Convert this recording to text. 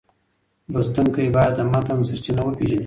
لوستونکی باید د متن سرچینه وپېژني.